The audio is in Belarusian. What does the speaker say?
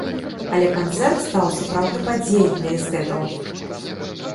Але канцэрт стаў сапраўды падзеяй для эстэтаў.